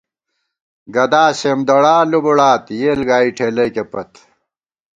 گدا سېمدڑا لُبُڑات ، یېل گائی ٹھېلَئیکے پت